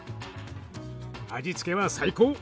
味付けは最高。